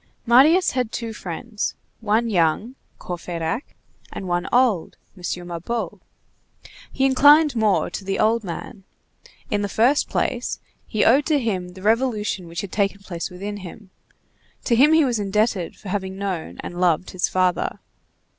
Marius had two friends: one young, Courfeyrac; and one old, M. Mabeuf. He inclined more to the old man. In the first place, he owed to him the revolution which had taken place within him; to him he was indebted for having known and loved his father.